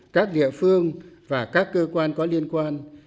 các địa phương và các cơ quan có liên quan